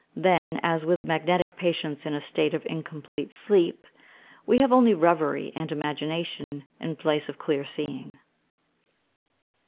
Then, as with magnetic patients in a state of incomplete sleep, we have only revery and imagination in place of clear seeing.